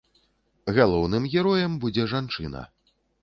Галоўным героем будзе жанчына.